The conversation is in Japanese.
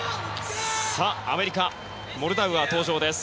アメリカモルダウアー、登場です。